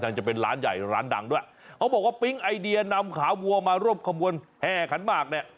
ร้านดังด้วยเขาบอกว่าปิ๊งไอเดียนำขาววัวมารบขมวนแห่ขันมากเนี่ย